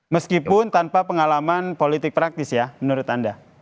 meskipun tanpa pengalaman politik praktis ya menurut anda